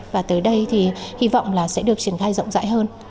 và tới đây thì hy vọng là sẽ được triển khai rộng rãi hơn